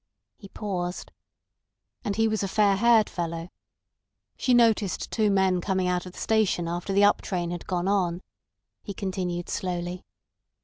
He paused. "And he was a fair haired fellow. She noticed two men coming out of the station after the uptrain had gone on," he continued slowly.